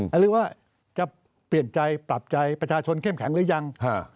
หรือว่าจะเปลี่ยนใจปรับใจประชาชนเข้มแข็งหรือยัง